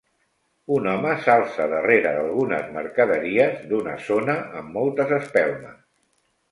Un home s'alça darrere d'algunes mercaderies d'una zona amb moltes espelmes.